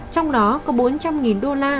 trong đó có bốn trăm linh đô la